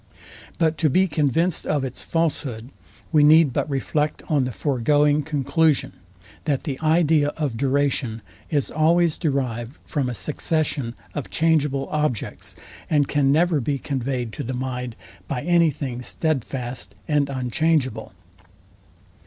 But to be convinced of its falsehood we need but reflect on the foregoing conclusion, that the idea of duration is always derived from a succession of changeable objects, and can never be conveyed to the mind by any thing stedfast and unchangeable.